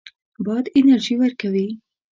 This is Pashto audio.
باد انرژي ورکوي.